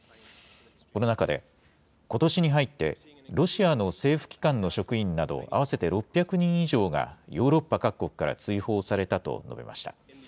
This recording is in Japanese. この中で、ことしに入って、ロシアの政府機関の職員など合わせて６００人以上が、ヨーロッパ各国から追放されたと述べました。